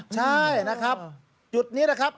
ใช่นะครับจุดนี้นะครับ